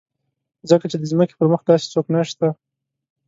ځکه چې د ځمکې پر مخ داسې څوک نشته.